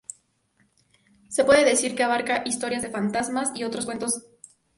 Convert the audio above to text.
Se puede decir que abarca historias de fantasmas y otros cuentos de lo macabro.